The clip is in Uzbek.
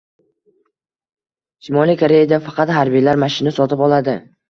Shimoliy Koreyada faqat harbiylar mashina sotib oladi.